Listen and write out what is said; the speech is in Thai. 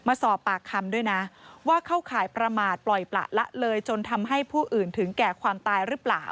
มาสอบปากคำด้วยนะว่าเข้าข่ายประมาทปล่อยประละเลยจนทำให้ผู้อื่นถึงแก่ความตายหรือเปล่า